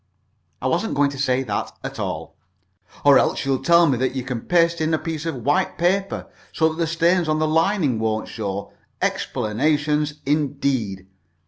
"I wasn't going to say that at all." "Or else you'll tell me that you can paste in a piece of white paper, so that the stains on the lining won't show. Explanations, indeed!"